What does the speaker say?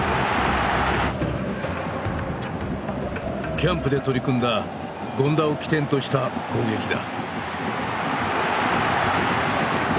キャンプで取り組んだ権田を起点とした攻撃だ。